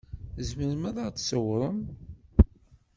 Tzemrem ad ɣ-d-tṣewṛem?